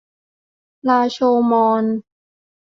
ลาโชว์มอญ